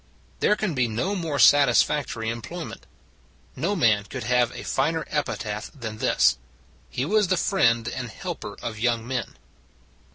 There can be no more satisfactory em ployment. No man could have a finer epi taph than this: " He was the friend and helper of young men."